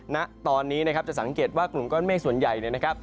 ณตอนนี้จะสังเกตว่ากลุ่มก้อนเมฆส่วนใหญ่